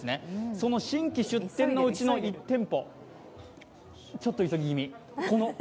その新規出店のうちの１店舗ちょっと急ぎ気味。